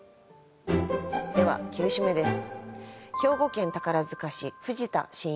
では９首目です。